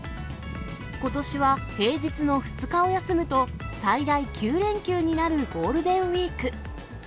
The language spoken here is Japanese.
ことしは平日の２日を休むと、最大９連休になるゴールデンウィーク。